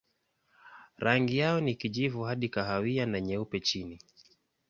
Rangi yao ni kijivu hadi kahawia na nyeupe chini.